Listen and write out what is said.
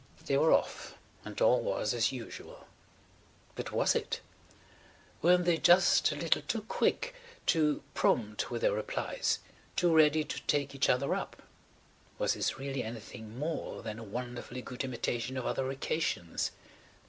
They were off and all was as usual. But was it? Weren't they just a little too quick, too prompt with their replies, too ready to take each other up? Was this really anything more than a wonderfully good imitation of other occasions?